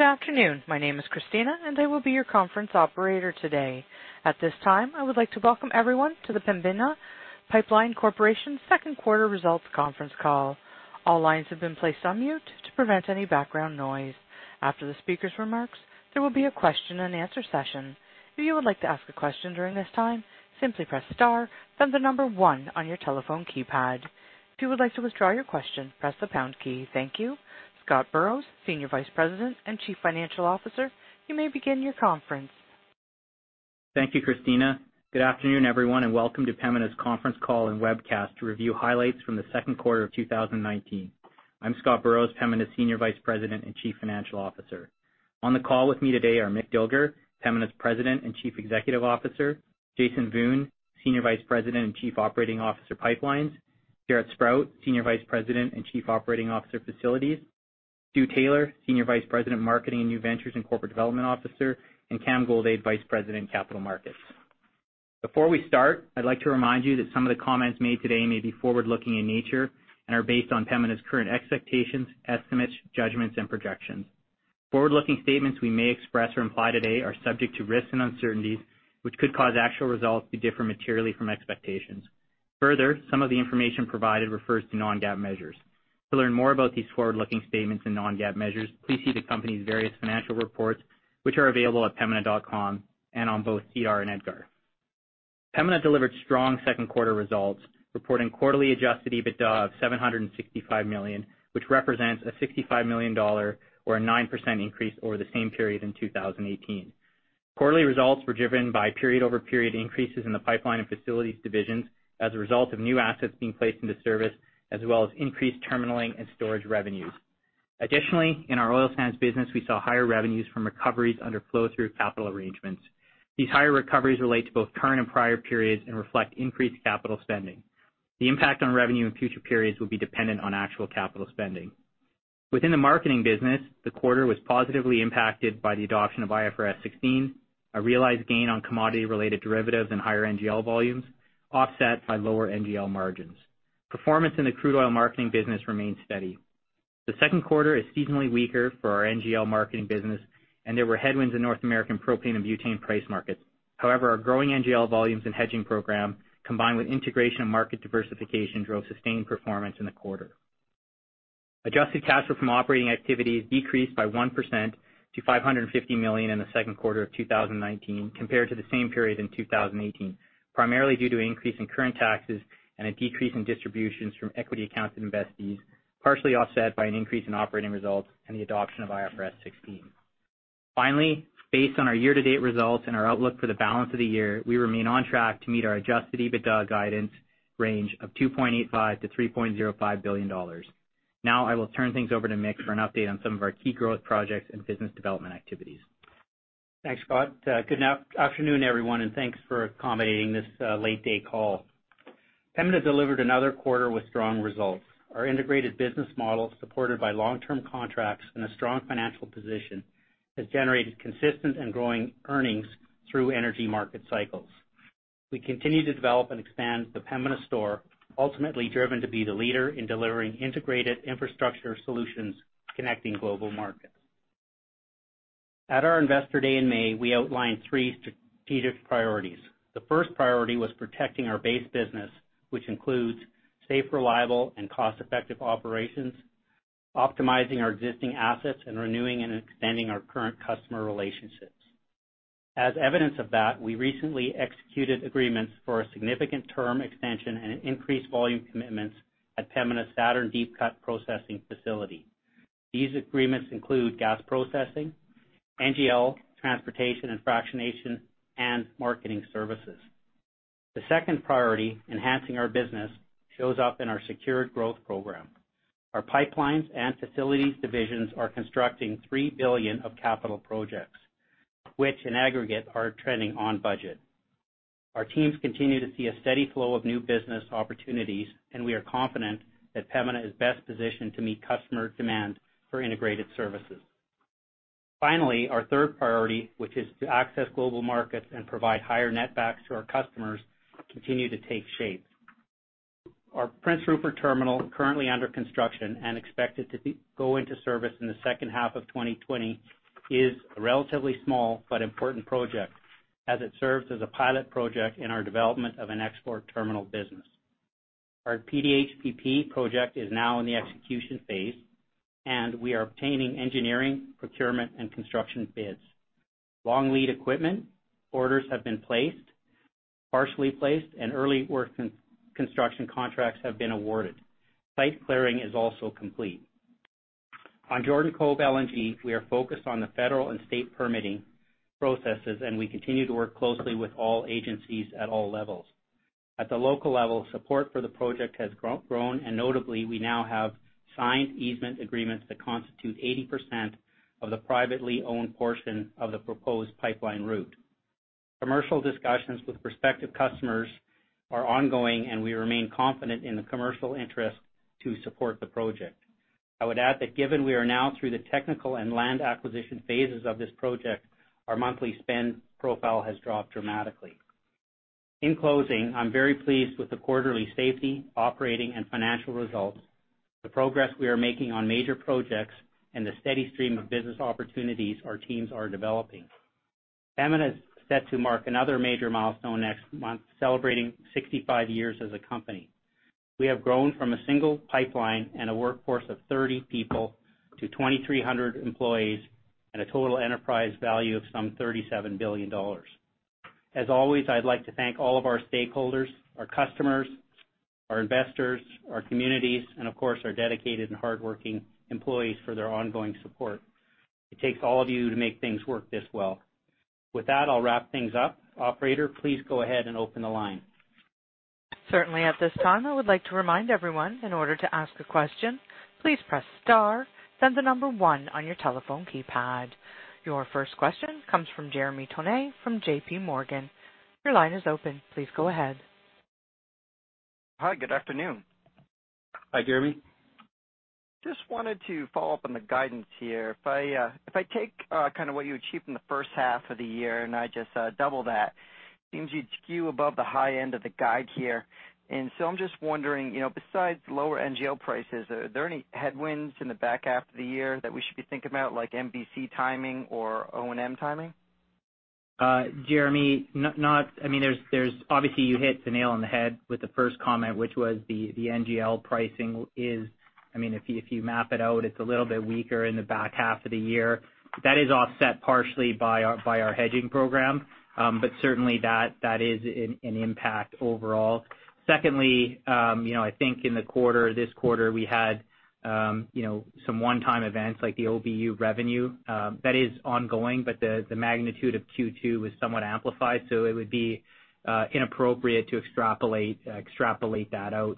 Good afternoon. My name is Christina, and I will be your conference operator today. At this time, I would like to welcome everyone to the Pembina Pipeline Corporation second quarter results conference call. All lines have been placed on mute to prevent any background noise. After the speaker's remarks, there will be a question and answer session. If you would like to ask a question during this time, simply press star, then the number 1 on your telephone keypad. If you would like to withdraw your question, press the pound key. Thank you. Scott Burrows, Senior Vice President and Chief Financial Officer, you may begin your conference. Thank you, Christina. Good afternoon, everyone, and welcome to Pembina's conference call and webcast to review highlights from the second quarter of 2019. I'm Scott Burrows, Pembina's Senior Vice President and Chief Financial Officer. On the call with me today are Mick Dilger, Pembina's President and Chief Executive Officer, Jason Wiun, Senior Vice President and Chief Operating Officer, Pipelines, Jaret Sprott, Senior Vice President and Chief Operating Officer, Facilities, Stu Taylor, Senior Vice President, Marketing and New Ventures and Corporate Development Officer, and Cam Goldade, Vice President, Capital Markets. Before we start, I'd like to remind you that some of the comments made today may be forward-looking in nature and are based on Pembina's current expectations, estimates, judgments, and projections. Forward-looking statements we may express or imply today are subject to risks and uncertainties, which could cause actual results to differ materially from expectations. Some of the information provided refers to non-GAAP measures. To learn more about these forward-looking statements and non-GAAP measures, please see the company's various financial reports, which are available at pembina.com and on both SEDAR and EDGAR. Pembina delivered strong second quarter results, reporting quarterly adjusted EBITDA of 765 million, which represents a 65 million dollar or a 9% increase over the same period in 2018. Quarterly results were driven by period-over-period increases in the pipeline and facilities divisions as a result of new assets being placed into service, as well as increased terminalling and storage revenues. Additionally, in our oil sands business, we saw higher revenues from recoveries under flow-through capital arrangements. These higher recoveries relate to both current and prior periods and reflect increased capital spending. The impact on revenue in future periods will be dependent on actual capital spending. Within the marketing business, the quarter was positively impacted by the adoption of IFRS 16, a realized gain on commodity-related derivatives and higher NGL volumes offset by lower NGL margins. Performance in the crude oil marketing business remains steady. The second quarter is seasonally weaker for our NGL marketing business, and there were headwinds in North American propane and butane price markets. However, our growing NGL volumes and hedging program, combined with integration and market diversification, drove sustained performance in the quarter. Adjusted cash flow from operating activities decreased by 1% to 550 million in the second quarter of 2019 compared to the same period in 2018, primarily due to an increase in current taxes and a decrease in distributions from equity accounts investees, partially offset by an increase in operating results and the adoption of IFRS 16. Finally, based on our year-to-date results and our outlook for the balance of the year, we remain on track to meet our adjusted EBITDA guidance range of 2.85 billion-3.05 billion dollars. Now, I will turn things over to Mick for an update on some of our key growth projects and business development activities. Thanks, Scott. Good afternoon, everyone. Thanks for accommodating this late-day call. Pembina delivered another quarter with strong results. Our integrated business model, supported by long-term contracts and a strong financial position, has generated consistent and growing earnings through energy market cycles. We continue to develop and expand the Pembina store, ultimately driven to be the leader in delivering integrated infrastructure solutions connecting global markets. At our Investor Day in May, we outlined three strategic priorities. The first priority was protecting our base business, which includes safe, reliable, and cost-effective operations, optimizing our existing assets, and renewing and extending our current customer relationships. As evidence of that, we recently executed agreements for a significant term expansion and increased volume commitments at Pembina's Saturn Deep Cut Processing Facility. These agreements include gas processing, NGL transportation and fractionation, and marketing services. The second priority, enhancing our business, shows up in our secured growth program. Our pipelines and facilities divisions are constructing 3 billion of capital projects, which in aggregate are trending on budget. Our teams continue to see a steady flow of new business opportunities, and we are confident that Pembina is best positioned to meet customer demand for integrated services. Finally, our third priority, which is to access global markets and provide higher net backs to our customers, continue to take shape. Our Prince Rupert terminal, currently under construction and expected to go into service in the second half of 2020, is a relatively small but important project, as it serves as a pilot project in our development of an export terminal business. Our PDHPP project is now in the execution phase, and we are obtaining engineering, procurement, and construction bids. Long lead equipment orders have been placed, partially placed, and early work construction contracts have been awarded. Site clearing is also complete. On Jordan Cove LNG, we are focused on the federal and state permitting processes. We continue to work closely with all agencies at all levels. At the local level, support for the project has grown. Notably, we now have signed easement agreements that constitute 80% of the privately-owned portion of the proposed pipeline route. Commercial discussions with prospective customers are ongoing. We remain confident in the commercial interest to support the project. I would add that given we are now through the technical and land acquisition phases of this project, our monthly spend profile has dropped dramatically. In closing, I'm very pleased with the quarterly safety, operating, and financial results, the progress we are making on major projects, and the steady stream of business opportunities our teams are developing. Pembina is set to mark another major milestone next month, celebrating 65 years as a company. We have grown from a single pipeline and a workforce of 30 people to 2,300 employees and a total enterprise value of some 37 billion dollars. As always, I'd like to thank all of our stakeholders, our customers, our investors, our communities, and of course, our dedicated and hardworking employees for their ongoing support. It takes all of you to make things work this well. With that, I'll wrap things up. Operator, please go ahead and open the line. Certainly. At this time, I would like to remind everyone, in order to ask a question, please press star, then the number one on your telephone keypad. Your first question comes from Jeremy Tonet from J.P. Morgan. Your line is open. Please go ahead. Hi, good afternoon. Hi, Jeremy. Just wanted to follow up on the guidance here. If I take what you achieved in the first half of the year, and I just double that, seems you'd skew above the high end of the guide here. I'm just wondering, besides lower NGL prices, are there any headwinds in the back half of the year that we should be thinking about, like MVC timing or O&M timing? Jeremy, obviously you hit the nail on the head with the first comment, which was the NGL pricing is, if you map it out, it's a little bit weaker in the back half of the year. That is offset partially by our hedging program. Certainly that is an impact overall. Secondly, I think in this quarter, we had some one-time events like the OBU revenue. That is ongoing, but the magnitude of Q2 was somewhat amplified, so it would be inappropriate to extrapolate that out.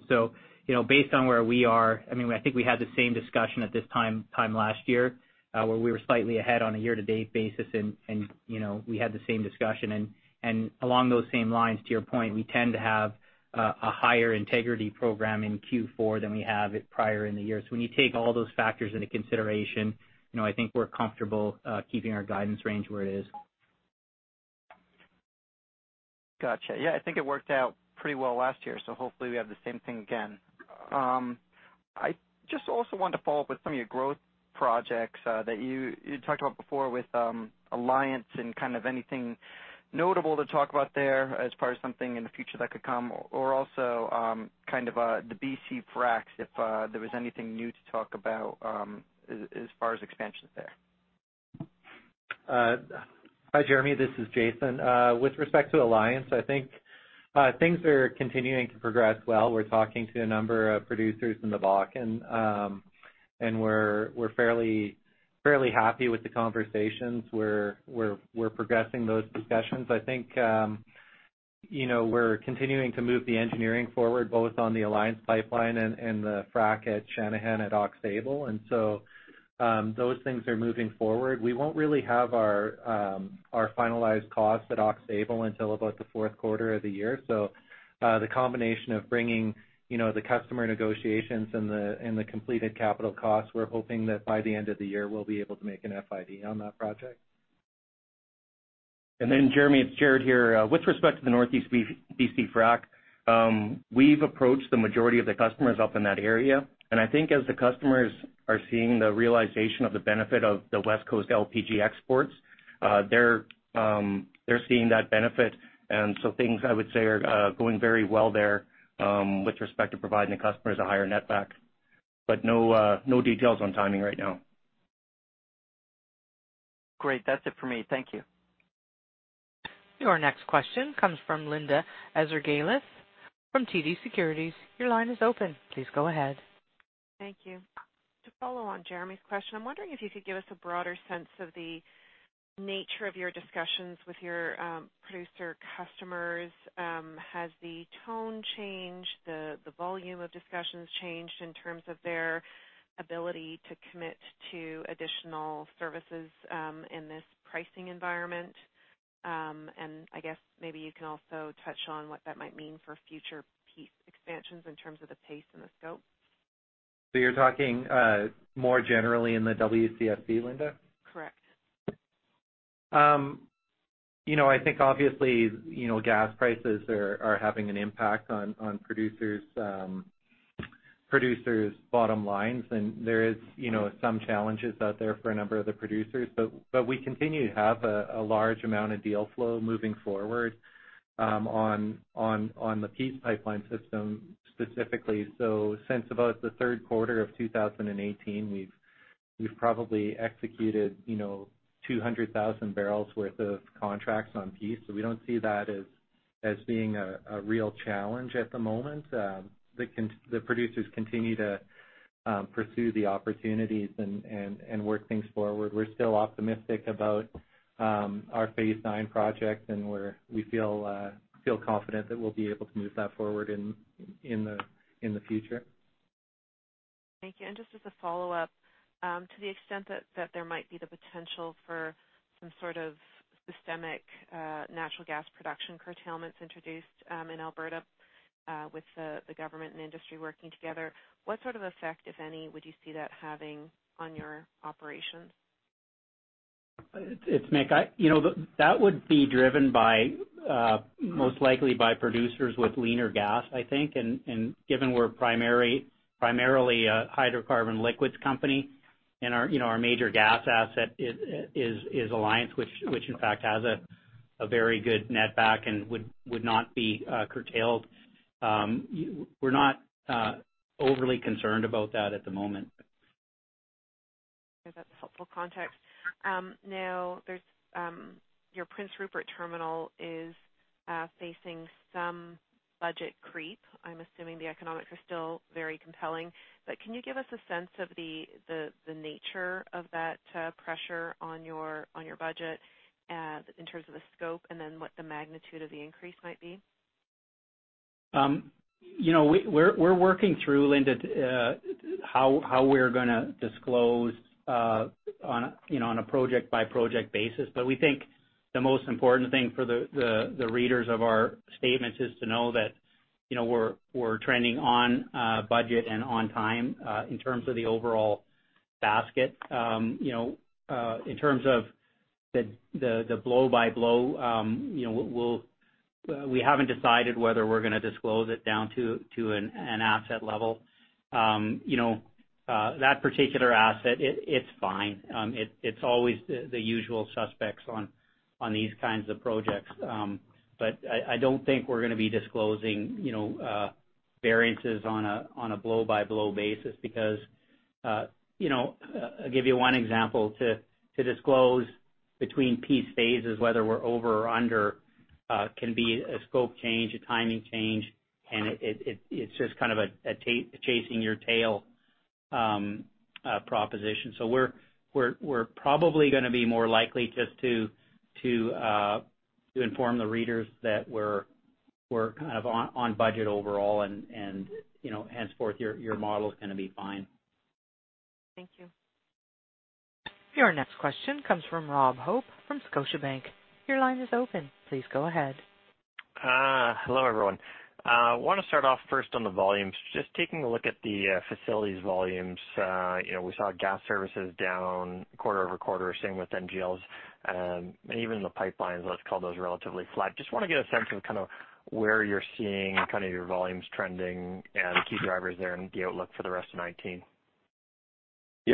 Based on where we are, I think we had the same discussion at this time last year, where we were slightly ahead on a year-to-date basis, and we had the same discussion. Along those same lines, to your point, we tend to have a higher integrity program in Q4 than we have prior in the year. When you take all those factors into consideration, I think we're comfortable keeping our guidance range where it is. Got you. Yeah, I think it worked out pretty well last year. Hopefully we have the same thing again. I just also wanted to follow up with some of your growth projects that you talked about before with Alliance and anything notable to talk about there as far as something in the future that could come, or also the BC fracs, if there was anything new to talk about as far as expansions there? Hi, Jeremy. This is Jason. With respect to Alliance, I think things are continuing to progress well. We're talking to a number of producers in the Bakken, we're fairly happy with the conversations. We're progressing those discussions. I think we're continuing to move the engineering forward, both on the Alliance Pipeline and the frac at Channahon at Oxbow. Those things are moving forward. We won't really have our finalized cost at Oxbow until about the fourth quarter of the year. The combination of bringing the customer negotiations and the completed capital costs, we're hoping that by the end of the year, we'll be able to make an FID on that project. Jeremy, it's Jaret here. With respect to the Northeast BC frac, we've approached the majority of the customers up in that area, and I think as the customers are seeing the realization of the benefit of the West Coast LPG exports, they're seeing that benefit. Things I would say are going very well there with respect to providing the customers a higher netback, but no details on timing right now. Great. That's it for me. Thank you. Your next question comes from Linda Ezergailis from TD Securities. Your line is open. Please go ahead. Thank you. To follow on Jeremy's question, I'm wondering if you could give us a broader sense of the nature of your discussions with your producer customers. Has the tone changed, the volume of discussions changed in terms of their ability to commit to additional services in this pricing environment? I guess maybe you can also touch on what that might mean for future Peace expansions in terms of the pace and the scope. You're talking more generally in the WCSB, Linda? Correct. I think obviously, gas prices are having an impact on producers' bottom lines, and there is some challenges out there for a number of the producers. We continue to have a large amount of deal flow moving forward on the Peace Pipeline system specifically. Since about the third quarter of 2018, we've probably executed 200,000 barrels worth of contracts on Peace. We don't see that as being a real challenge at the moment. The producers continue to pursue the opportunities and work things forward. We're still optimistic about our Phase IX project, and we feel confident that we'll be able to move that forward in the future. Thank you. Just as a follow-up, to the extent that there might be the potential for some sort of systemic natural gas production curtailments introduced in Alberta with the government and industry working together, what sort of effect, if any, would you see that having on your operations? It's Mick. That would be driven most likely by producers with leaner gas, I think. Given we're primarily a hydrocarbon liquids company and our major gas asset is Alliance, which in fact has a very good net back and would not be curtailed. We're not overly concerned about that at the moment. Okay. That's helpful context. Your Prince Rupert terminal is facing some budget creep. I'm assuming the economics are still very compelling, but can you give us a sense of the nature of that pressure on your budget in terms of the scope and then what the magnitude of the increase might be? We're working through, Linda, how we're going to disclose on a project-by-project basis. We think the most important thing for the readers of our statements is to know that we're trending on budget and on time, in terms of the overall basket. In terms of the blow-by-blow, we haven't decided whether we're going to disclose it down to an asset level. That particular asset, it's fine. It's always the usual suspects on these kinds of projects. I don't think we're going to be disclosing variances on a blow-by-blow basis because, I'll give you one example, to disclose between Peace phases whether we're over or under, can be a scope change, a timing change, and it's just kind of a chasing your tail proposition. We're probably going to be more likely just to inform the readers that we're kind of on budget overall and henceforth, your model's going to be fine. Thank you. Your next question comes from Rob Hope from Scotiabank. Your line is open. Please go ahead. Hello, everyone. I want to start off first on the volumes. Just taking a look at the facilities volumes. We saw gas services down quarter-over-quarter, same with NGLs. Even the pipelines, let's call those relatively flat. Just want to get a sense of where you're seeing your volumes trending and key drivers there and the outlook for the rest of 2019.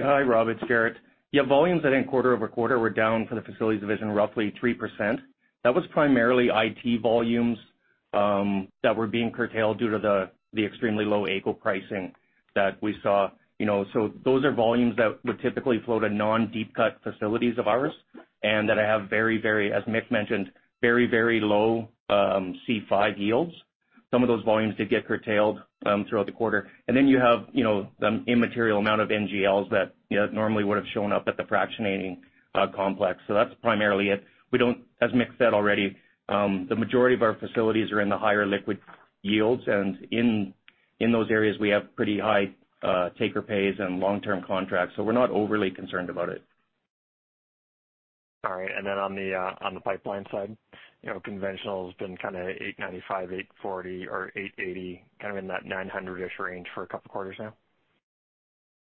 Hi, Rob, it's Jaret. Volumes I think quarter-over-quarter were down for the facilities division, roughly 3%. That was primarily IT volumes that were being curtailed due to the extremely low AECO pricing that we saw. Those are volumes that would typically flow to non-deep cut facilities of ours, and that I have very, as Mick mentioned, very low C5+ yields. Some of those volumes did get curtailed throughout the quarter. You have the immaterial amount of NGLs that normally would have shown up at the fractionating complex. That's primarily it. As Mick said already, the majority of our facilities are in the higher liquid yields, and in those areas, we have pretty high take-or-pays and long-term contracts, so we're not overly concerned about it. Then on the pipeline side, conventional has been kind of 895, 840 or 880, kind of in that 900-ish range for a couple of quarters now.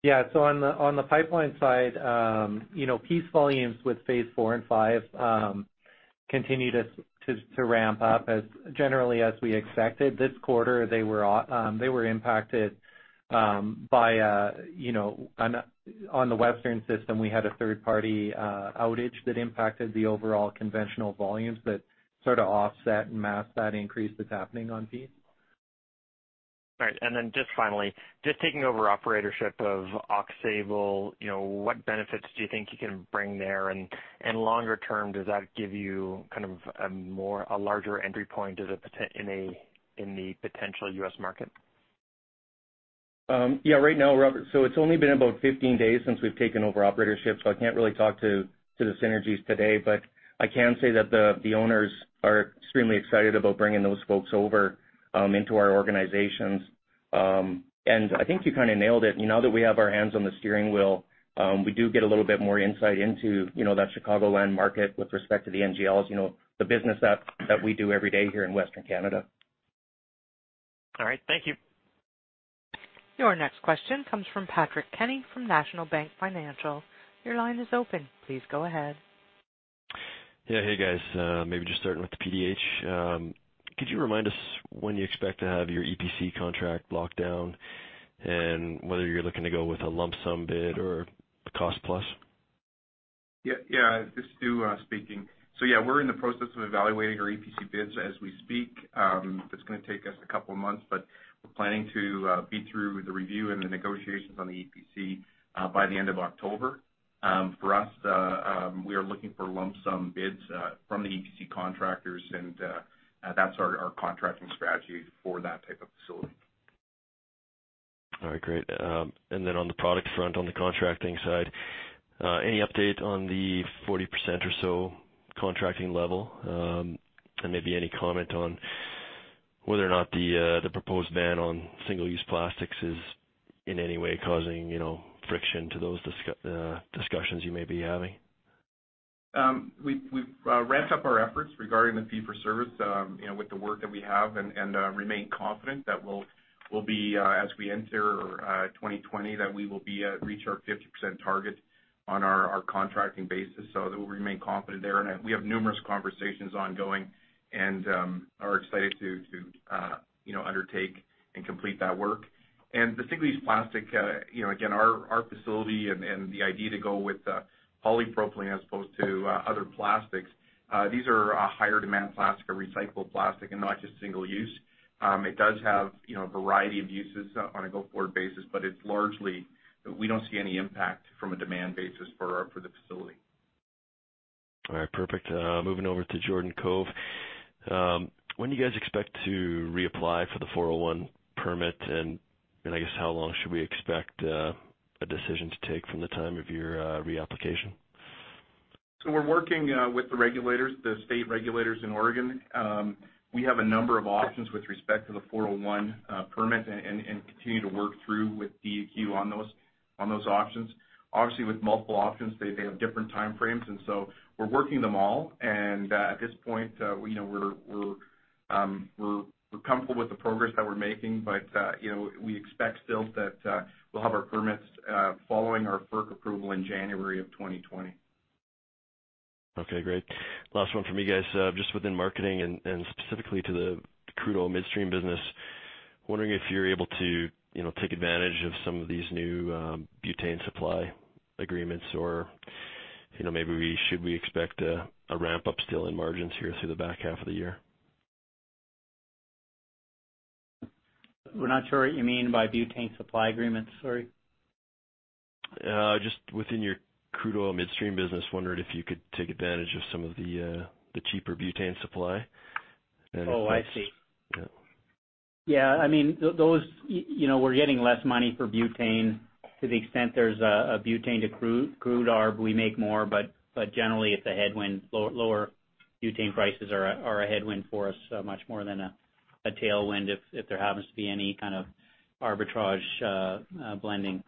Yeah. On the pipeline side, Peace volumes with Phase 4 and 5 continue to ramp up as generally as we expected. This quarter, they were impacted. On the western system, we had a third-party outage that impacted the overall conventional volumes that sort of offset and mask that increase that's happening on Peace. Just finally, just taking over operatorship of Aux Sable, what benefits do you think you can bring there and longer-term, does that give you kind of a larger entry point in the potential U.S. market? Right now, Rob, it's only been about 15 days since we've taken over operatorship, I can't really talk to the synergies today, I can say that the owners are extremely excited about bringing those folks over into our organizations. I think you kind of nailed it. Now that we have our hands on the steering wheel, we do get a little bit more insight into that Chicagoland market with respect to the NGLs, the business that we do every day here in Western Canada. All right. Thank you. Your next question comes from Patrick Kenny from National Bank Financial. Your line is open. Please go ahead. Yeah. Hey, guys. Maybe just starting with the PDH. Could you remind us when you expect to have your EPC contract locked down and whether you're looking to go with a lump sum bid or a cost plus? Yeah. This is Stu speaking. Yeah, we're in the process of evaluating our EPC bids as we speak. It's going to take us a couple of months, but we're planning to be through the review and the negotiations on the EPC by the end of October. For us, we are looking for lump sum bids from the EPC contractors, and that's our contracting strategy for that type of facility. All right, great. Then on the product front, on the contracting side, any update on the 40% or so contracting level? Maybe any comment on whether or not the proposed ban on single-use plastics is in any way causing friction to those discussions you may be having? We've ramped up our efforts regarding the fee for service with the work that we have and remain confident that we'll be, as we enter 2020, that we will reach our 50% target on our contracting basis. We remain confident there, and we have numerous conversations ongoing and are excited to undertake and complete that work. The single-use plastic, again, our facility and the idea to go with polypropylene as opposed to other plastics, these are a higher demand plastic, a recycled plastic and not just single use. It does have a variety of uses on a go-forward basis, but we don't see any impact from a demand basis for the facility. All right, perfect. Moving over to Jordan Cove. When do you guys expect to reapply for the 401 permit? I guess how long should we expect a decision to take from the time of your reapplication? We're working with the regulators, the state regulators in Oregon. We have a number of options with respect to the 401 permit and continue to work through with DEQ on those options. Obviously, with multiple options, they have different time frames, and so we're working them all. At this point, we're comfortable with the progress that we're making, but we expect still that we'll have our permits following our FERC approval in January of 2020. Okay, great. Last one from me, guys. Just within marketing and specifically to the crude oil midstream business, I'm wondering if you're able to take advantage of some of these new butane supply agreements or maybe should we expect a ramp up still in margins here through the back half of the year? We're not sure what you mean by butane supply agreements. Sorry. Just within your crude oil midstream business, wondering if you could take advantage of some of the cheaper butane supply. Oh, I see. Yeah. Yeah. We're getting less money for butane to the extent there's a butane to crude arb, we make more, but generally, it's a headwind. Lower butane prices are a headwind for us much more than a tailwind if there happens to be any kind of arbitrage blending.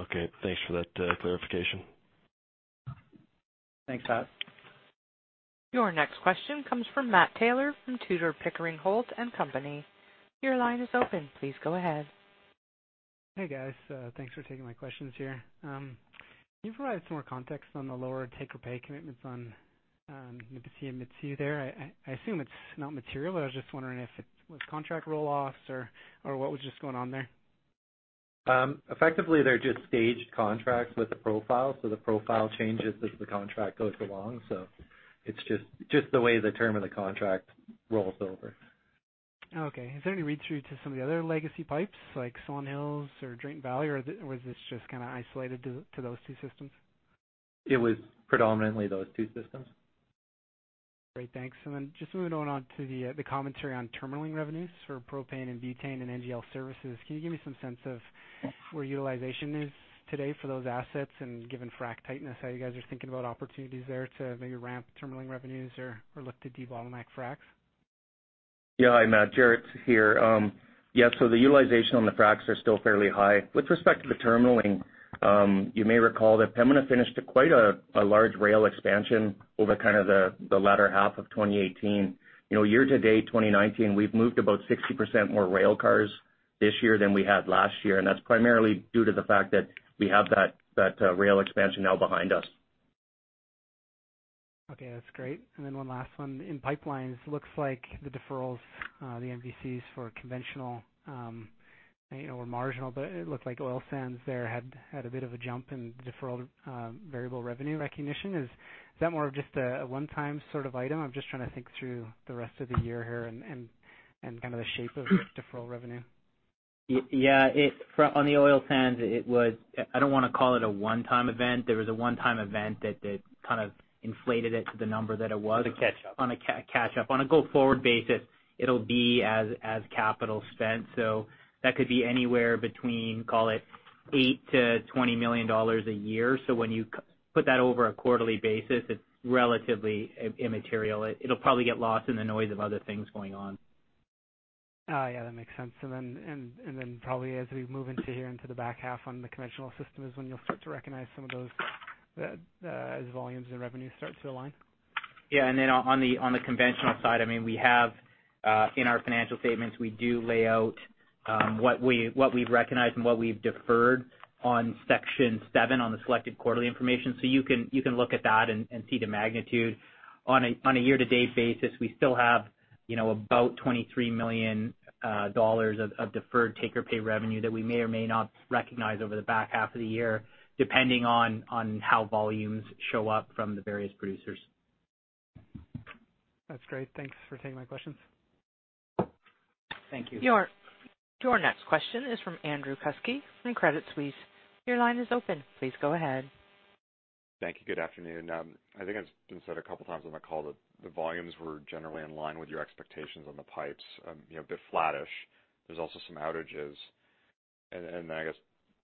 Okay. Thanks for that clarification. Thanks too. Your next question comes from Matt Taylor from Tudor, Pickering, Holt & Co. Your line is open. Please go ahead. Hey, guys. Thanks for taking my questions here. Can you provide some more context on the lower take-or-pay commitments on MPCL and Mid-C there? I assume it's not material, but I was just wondering if it was contract roll-offs or what was just going on there. Effectively, they're just staged contracts with a profile. The profile changes as the contract goes along. It's just the way the term of the contract rolls over. Okay. Is there any read through to some of the other legacy pipes like Swan Hills or Drayton Valley, or was this just kind of isolated to those two systems? It was predominantly those two systems. Great. Thanks. Just moving on to the commentary on terminalling revenues for propane and butane and NGL services. Can you give me some sense of where utilization is today for those assets and given frack tightness, how you guys are thinking about opportunities there to maybe ramp terminalling revenues or look to debottleneck fracks? Hi, Matt. Jaret here. The utilization on the fracks are still fairly high. With respect to the terminalling, you may recall that Pembina finished quite a large rail expansion over the latter half of 2018. Year to date 2019, we've moved about 60% more rail cars this year than we had last year, and that's primarily due to the fact that we have that rail expansion now behind us. Okay. That's great. One last one. In pipelines, looks like the deferrals, the MVCs for conventional were marginal, but it looked like oil sands there had a bit of a jump in deferred variable revenue recognition. Is that more of just a one-time sort of item? I am just trying to think through the rest of the year here and the shape of deferral revenue. Yeah. On the oil sands, I don't want to call it a one-time event. There was a one-time event that kind of inflated it to the number that it was. It was a catch-up. On a catch-up. On a go-forward basis, it'll be as capital spent. That could be anywhere between, call it 8 million-20 million dollars a year. When you put that over a quarterly basis, it's relatively immaterial. It'll probably get lost in the noise of other things going on. Yeah, that makes sense. Probably as we move into here into the back half on the conventional system is when you'll start to recognize some of those as volumes and revenue starts to align? On the conventional side, in our financial statements, we do lay out what we've recognized and what we've deferred on section seven on the selected quarterly information. You can look at that and see the magnitude. On a year-to-date basis, we still have about 23 million dollars of deferred take-or-pay revenue that we may or may not recognize over the back half of the year, depending on how volumes show up from the various producers. That's great. Thanks for taking my questions. Thank you. Your next question is from Andrew Kuske from Credit Suisse. Your line is open. Please go ahead. Thank you. Good afternoon. I think it's been said a couple times on the call that the volumes were generally in line with your expectations on the pipes, a bit flattish. There's also some outages. I guess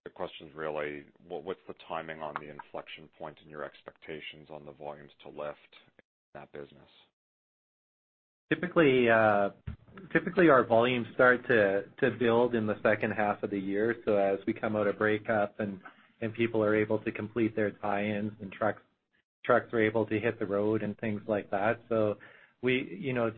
the question is really, what's the timing on the inflection point in your expectations on the volumes to lift in that business? Typically, our volumes start to build in the second half of the year. As we come out of breakup and people are able to complete their tie-ins and trucks are able to hit the road and things like that.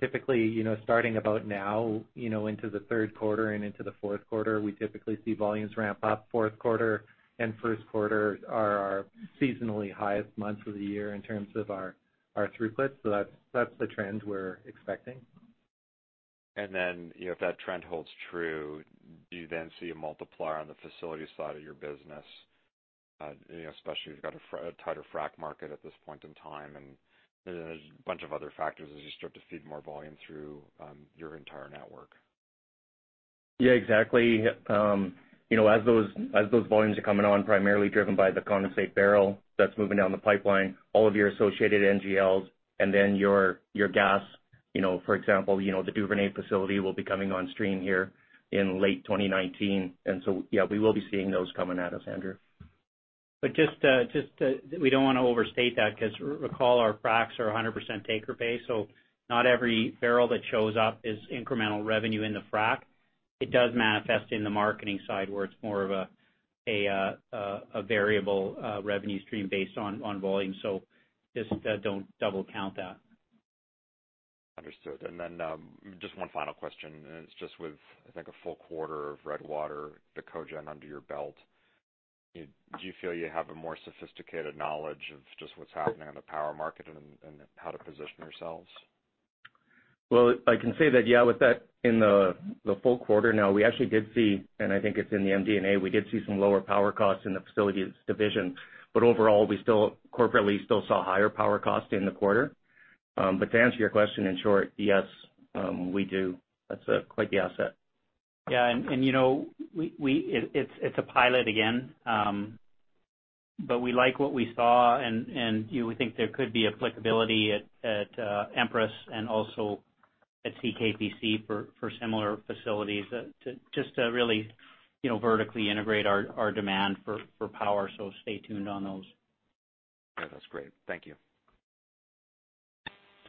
Typically, starting about now into the third quarter and into the fourth quarter, we typically see volumes ramp up. Fourth quarter and first quarter are our seasonally highest months of the year in terms of our throughput. That's the trend we're expecting. If that trend holds true, do you then see a multiplier on the facility side of your business? Especially if you've got a tighter frack market at this point in time and there's a bunch of other factors as you start to feed more volume through your entire network. Yeah, exactly. As those volumes are coming on, primarily driven by the condensate barrel that's moving down the pipeline, all of your associated NGLs and then your gas, for example, the Duvernay facility will be coming on stream here in late 2019. Yeah, we will be seeing those coming at us, Andrew. Just we don't want to overstate that because recall our fracs are 100% take-or-pay, so not every barrel that shows up is incremental revenue in the frac. It does manifest in the marketing side where it's more of a variable revenue stream based on volume. Just don't double count that. Understood. Just one final question, and it's just with, I think, a full quarter of Redwater, the cogen under your belt. Do you feel you have a more sophisticated knowledge of just what's happening on the power market and how to position yourselves? Well, I can say that, yeah, with that in the full quarter now, we actually did see, and I think it's in the MD&A, we did see some lower power costs in the Facilities division. Overall, we still corporately still saw higher power cost in the quarter. To answer your question, in short, yes, we do. That's quite the asset. Yeah. It's a pilot again. We like what we saw, and we think there could be applicability at Empress and also at CKPC for similar facilities to just to really vertically integrate our demand for power. Stay tuned on those. All right. That's great. Thank you.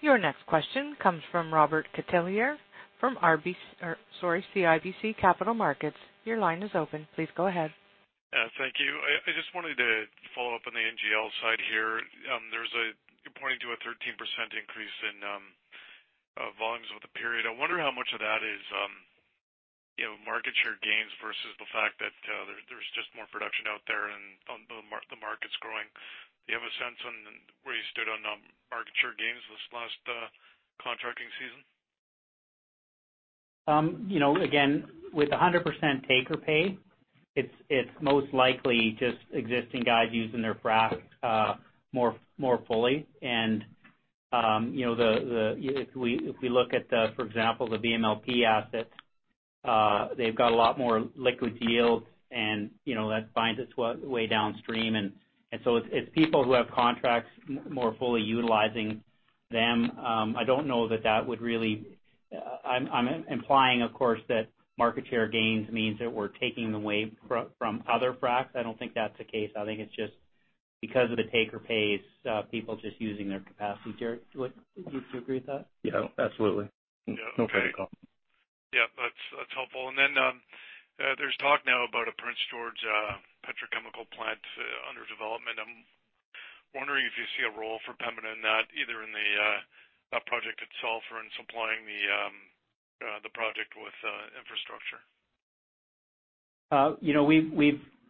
Your next question comes from Robert Catellier from CIBC Capital Markets. Your line is open. Please go ahead. Yeah, thank you. I just wanted to follow up on the NGL side here. You're pointing to a 13% increase in volumes over the period. I wonder how much of that is market share gains versus the fact that there's just more production out there and the market's growing. Do you have a sense on where you stood on market share gains this last contracting season? With 100% take or pay, it's most likely just existing guys using their fracs more fully. If we look at the, for example, the VMLP assets, they've got a lot more liquid yield and that finds its way downstream. It's people who have contracts more fully utilizing them. I don't know that that would really I'm implying, of course, that market share gains means that we're taking them away from other fracs. I don't think that's the case. I think it's just because of the take or pays, people just using their capacity. Jaret, do you agree with that? Yeah, absolutely. Yeah. Okay. No fair call. Yeah. That's helpful. There's talk now about a Prince George petrochemical plant under development. I'm wondering if you see a role for Pembina in that, either in the project itself or in supplying the project with infrastructure.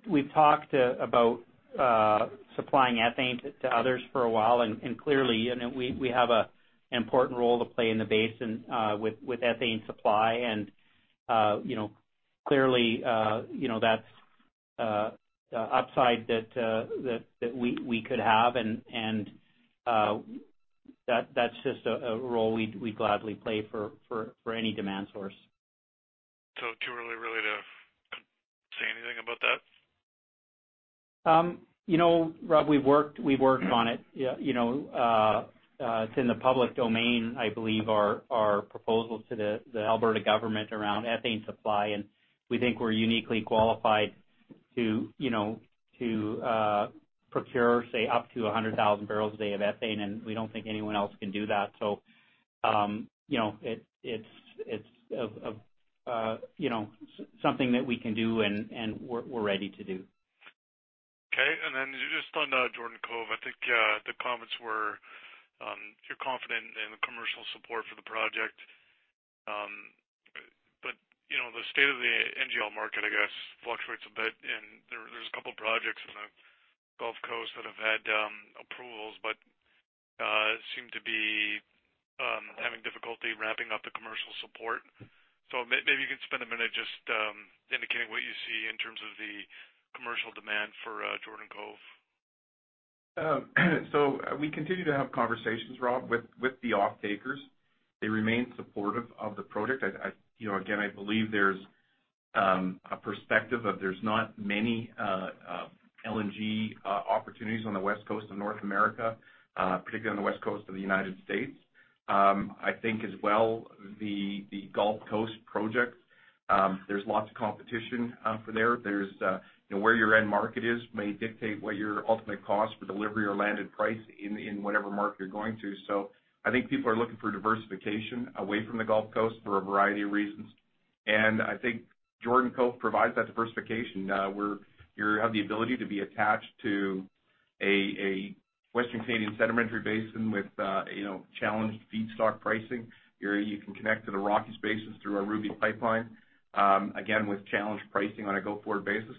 We've talked about supplying ethane to others for a while, and clearly, we have an important role to play in the basin, with ethane supply and clearly, that's upside that we could have and that's just a role we'd gladly play for any demand source. Too early really to say anything about that? Rob, we've worked on it. It's in the public domain, I believe our proposals to the Alberta government around ethane supply. We think we're uniquely qualified to procure, say, up to 100,000 barrels a day of ethane. We don't think anyone else can do that. It's something that we can do and we're ready to do. Okay. Then just on Jordan Cove, I think the comments were, you're confident in the commercial support for the project. The state of the NGL market, I guess, fluctuates a bit, and there's a couple projects on the Gulf Coast that have had approvals, but seem to be having difficulty ramping up the commercial support. Maybe you can spend a minute just indicating what you see in terms of the commercial demand for Jordan Cove. We continue to have conversations, Rob, with the offtakers. They remain supportive of the project. Again, I believe there's a perspective of, there's not many LNG opportunities on the West Coast of North America, particularly on the West Coast of the United States. I think as well, the Gulf Coast projects. There's lots of competition for there. Where your end market is may dictate what your ultimate cost for delivery or landed price in whatever market you're going to. I think people are looking for diversification away from the Gulf Coast for a variety of reasons. And I think Jordan Cove provides that diversification, where you have the ability to be attached to a Western Canadian Sedimentary Basin with challenged feedstock pricing. You can connect to the Rockies basins through our Ruby Pipeline, again, with challenged pricing on a go-forward basis.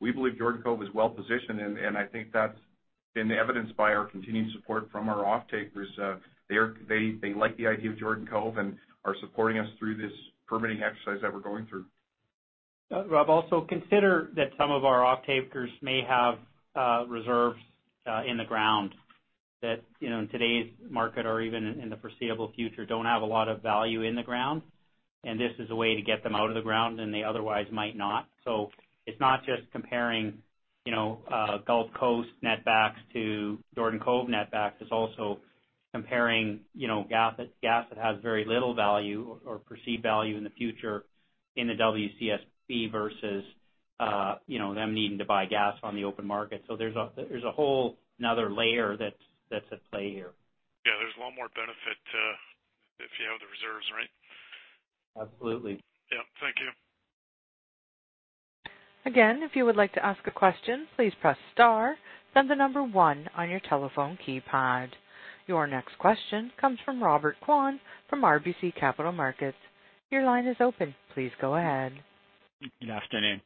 We believe Jordan Cove is well-positioned, and I think that's been evidenced by our continued support from our off-takers. They like the idea of Jordan Cove and are supporting us through this permitting exercise that we're going through. Rob, also consider that some of our off-takers may have reserves in the ground that, in today's market or even in the foreseeable future, don't have a lot of value in the ground. This is a way to get them out of the ground, and they otherwise might not. It's not just comparing Gulf Coast netbacks to Jordan Cove netbacks. It's also comparing gas that has very little value or perceived value in the future in the WCSB versus them needing to buy gas on the open market. There's a whole another layer that's at play here. Yeah, there's a lot more benefit to if you have the reserves, right? Absolutely. Yeah. Thank you. Again, if you would like to ask a question, please press star, then the number one on your telephone keypad. Your next question comes from Robert Kwan from RBC Capital Markets. Your line is open. Please go ahead. Good afternoon.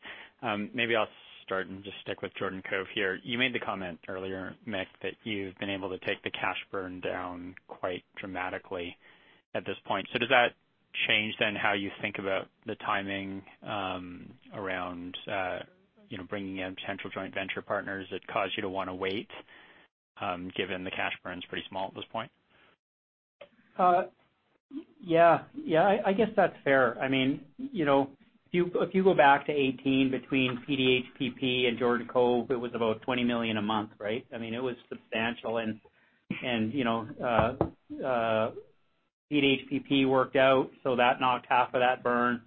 Maybe I'll start and just stick with Jordan Cove here. You made the comment earlier, Mick, that you've been able to take the cash burn down quite dramatically at this point. Does that change how you think about the timing around bringing in potential joint venture partners that cause you to want to wait, given the cash burn's pretty small at this point? Yeah. I guess that's fair. If you go back to 2018 between PDH PP and Jordan Cove, it was about 20 million a month, right? It was substantial and PDH PP worked out, so that knocked half of that burn.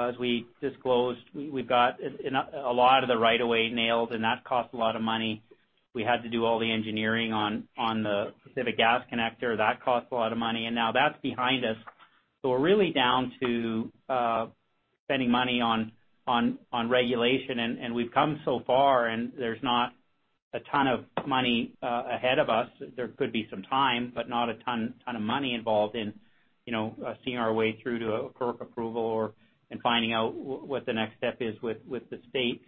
As we disclosed, we've got a lot of the right of way nailed, and that cost a lot of money. We had to do all the engineering on the Pacific Connector Gas Pipeline. That cost a lot of money, and now that's behind us. We're really down to spending money on regulation, and we've come so far, and there's not a ton of money ahead of us. There could be some time, but not a ton of money involved in seeing our way through to approval and finding out what the next step is with the state.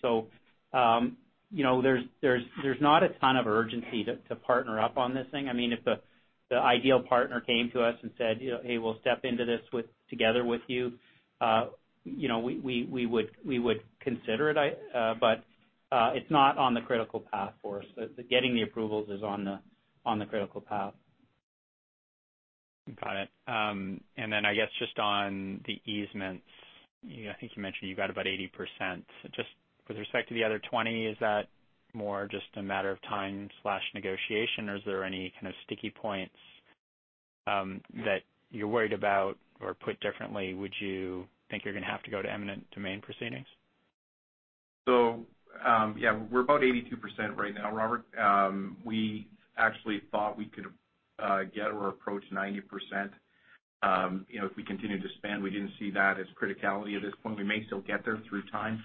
There's not a ton of urgency to partner up on this thing. If the ideal partner came to us and said, "Hey, we'll step into this together with you," we would consider it. It's not on the critical path for us. The getting the approvals is on the critical path. Got it. I guess just on the easements, I think you mentioned you got about 80%. Just with respect to the other 20, is that more just a matter of time/negotiation or is there any kind of sticky points that you're worried about? Put differently, would you think you're going to have to go to eminent domain proceedings? Yeah, we're about 82% right now, Robert. We actually thought we could get or approach 90%. If we continue to spend, we didn't see that as criticality at this point. We may still get there through time.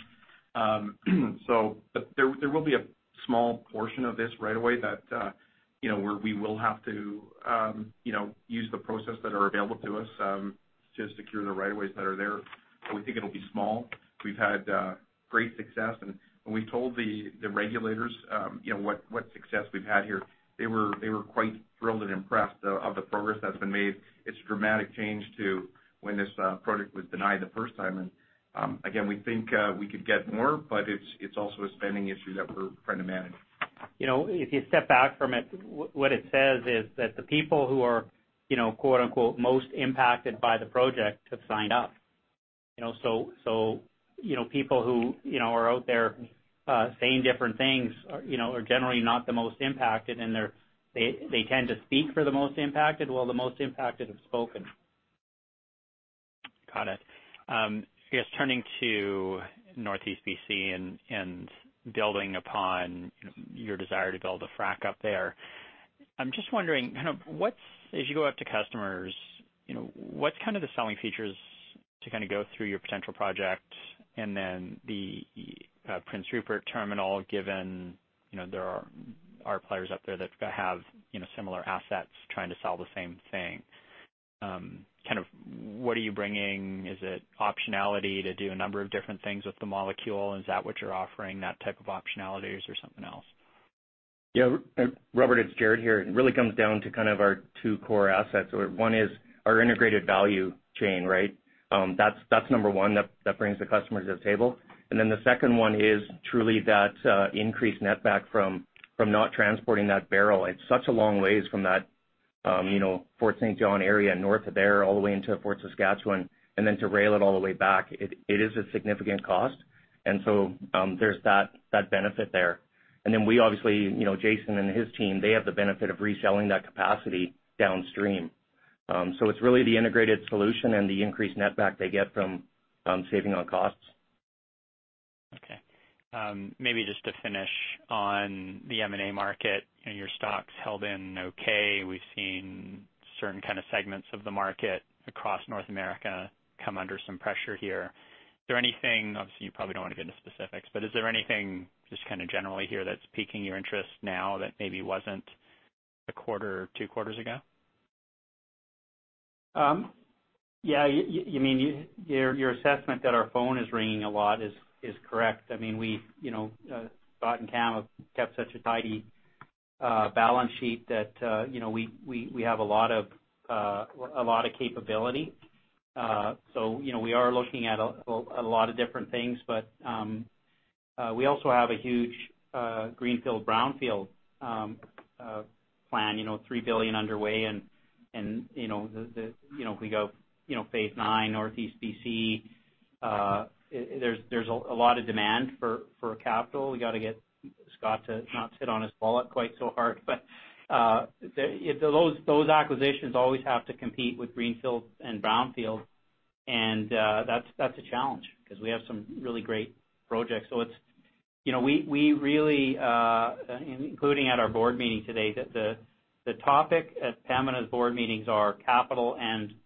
There will be a small portion of this right of way that where we will have to use the process that are available to us to secure the right of ways that are there. We think it'll be small. We've had great success. When we told the regulators what success we've had here, they were quite thrilled and impressed of the progress that's been made. It's a dramatic change to when this project was denied the first time. Again, we think we could get more, but it's also a spending issue that we're trying to manage. If you step back from it, what it says is that the people who are "most impacted" by the project have signed up. People who are out there saying different things are generally not the most impacted, and they tend to speak for the most impacted. The most impacted have spoken. Got it. I guess turning to Northeast B.C. and building upon your desire to build a frack up there. I'm just wondering, as you go up to customers, what's the selling features to go through your potential project and then the Prince Rupert terminal, given there are players up there that have similar assets trying to sell the same thing? What are you bringing? Is it optionality to do a number of different things with the molecule? Is that what you're offering, that type of optionalities or something else? Robert, it's Jaret here. It really comes down to our two core assets. One is our integrated value chain, right? That's number one that brings the customers to the table. The second one is truly that increased netback from not transporting that barrel. It's such a long ways from that Fort St. John area north of there all the way into Fort Saskatchewan, to rail it all the way back. It is a significant cost. There's that benefit there. We obviously, Jason and his team, they have the benefit of reselling that capacity downstream. It's really the integrated solution and the increased netback they get from saving on costs. Okay. Maybe just to finish on the M&A market. Your stock's held in okay. We've seen certain kind of segments of the market across North America come under some pressure here. Is there anything, obviously you probably don't want to get into specifics, but is there anything just kind of generally here that's piquing your interest now that maybe wasn't a quarter or two quarters ago? Yeah. Your assessment that our phone is ringing a lot is correct. Scott and Cam have kept such a tidy balance sheet that we have a lot of capability. We are looking at a lot of different things. We also have a huge greenfield/brownfield plan, CAD 3 billion underway, and if we go Phase IX Northeast BC, there's a lot of demand for capital. We got to get Scott to not sit on his wallet quite so hard. Those acquisitions always have to compete with greenfield and brownfield, and that's a challenge because we have some really great projects. Including at our board meeting today, the topic at Pembina's board meetings are capital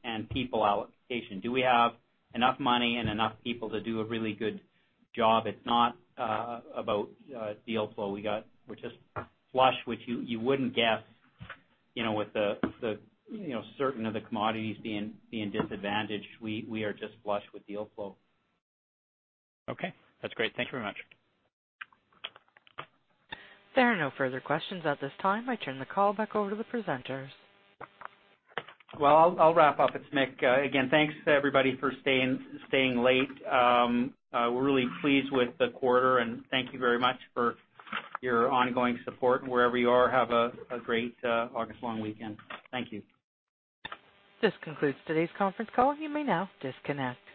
and people allocation. Do we have enough money and enough people to do a really good job? It's not about deal flow. We're just flush, which you wouldn't guess with certain of the commodities being disadvantaged. We are just flush with deal flow. Okay. That's great. Thank you very much. There are no further questions at this time. I turn the call back over to the presenters. Well, I'll wrap up. It's Mick. Again, thanks to everybody for staying late. We're really pleased with the quarter, and thank you very much for your ongoing support. Wherever you are, have a great August long weekend. Thank you. This concludes today's conference call. You may now disconnect.